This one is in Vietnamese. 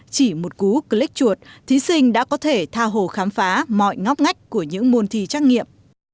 chỉ một cú click chuột thí sinh đã có thể tha hồ khám phá mọi ngóc ngách của những môn thi trắc nghiệm